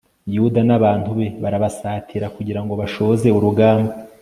yuda n'abantu be barabasatira kugira ngo bashoze urugamba